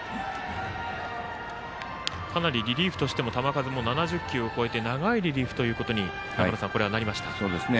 かなりリリーフとしても球数も７０球を超えて長いリリーフということになりました。